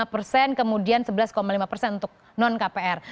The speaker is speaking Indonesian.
sembilan tujuh puluh lima persen kemudian sebelas lima persen untuk non kpr